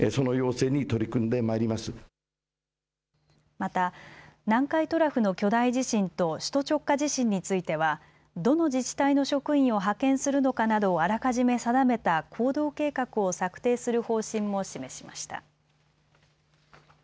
また、南海トラフの巨大地震と首都直下地震についてはどの自治体の職員を派遣するのかなどをあらかじめ定めた行動計画を策定する方針も示しました。